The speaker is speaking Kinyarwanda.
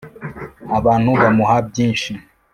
abantu bamuha byinshi